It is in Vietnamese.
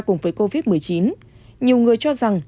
cùng với covid một mươi chín nhiều người cho rằng